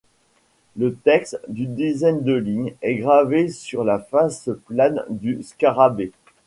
Le texte, d’une dizaine de lignes, est gravé sur la face plane du scarabée.